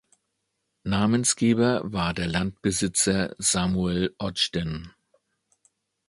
Namensgeber war der Landbesitzer Samuel Ogden.